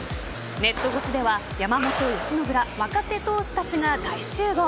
ネット越しでは山本由伸ら若手投手たちが大集合。